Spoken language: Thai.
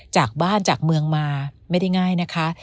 จากบ้านจากเมืองมาไม่ได้ง่ายนะคะ